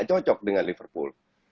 dia tidak cocok dengan liverpool